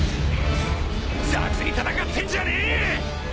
雑に戦ってんじゃねえ！